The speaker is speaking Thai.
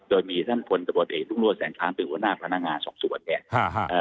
โดยมีท่านผลกระบวนเอกทุ่งลัวแสงค้าเป็นหัวหน้าพนักงานสอบสวนแหละฮ่าฮ่า